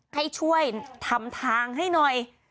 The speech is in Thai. ให้ช่วยทำทางให้หน่อย